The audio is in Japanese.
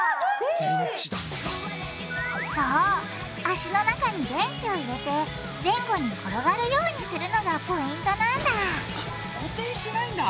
足の中に電池を入れて前後に転がるようにするのがポイントなんだ固定しないんだ。